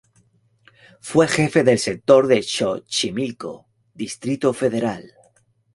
Fue jefe del Sector de Xochimilco, Distrito Federal.